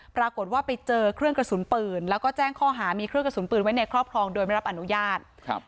ปรากฏว่าไปเจอเครื่องกระสุนปืนแล้วก็แจ้งข้อหามีเครื่องกระสุนปืนไว้ในครอบครองโดยไม่รับอนุญาต